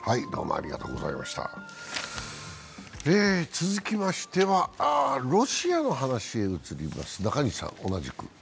続きましてはロシアの話へ移ります。